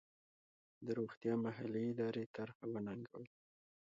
د روغتیا محلي ادارې طرحه وننګوله.